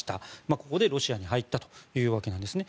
ここでロシアに入ったというわけなんですね。